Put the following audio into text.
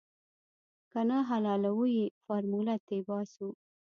که نه حلالوو يې فارموله تې باسو.